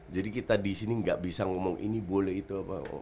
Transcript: jadi kita disini gak bisa ngomong ini boleh itu apa